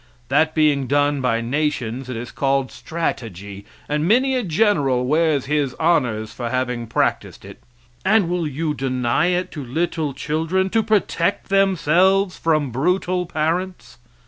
That being done by nations it is called strategy, and many a general wears his honors for having practiced it; and will you deny it to little children to protect themselves from brutal parents.